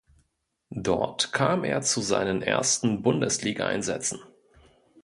Dort kam er zu seinen ersten Bundesliga-Einsätzen.